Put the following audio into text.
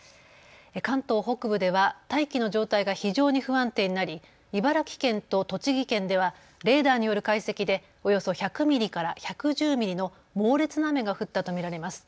関東北部では大気の状態が非常に不安定になり茨城県と栃木県ではレーダーによる解析でおよそ１００ミリから１１０ミリの猛烈な雨が降ったと見られます。